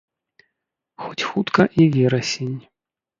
Хоць хутка і верасень.